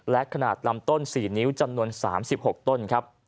และขนาดลำต้น๔นิ้วจำนวน๓๖ต้นครับ